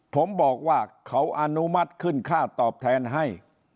ผมบอกว่าเขาอนุมัติขึ้นค่าตอบแทนให้